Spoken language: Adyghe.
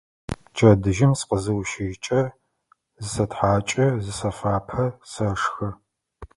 Пчэдыжьым сыкъызыущыжьыкӏэ зысэтхьакӏы, зысэфапэ, сэшхэ.